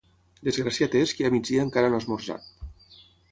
Desgraciat és qui a migdia encara no ha esmorzat.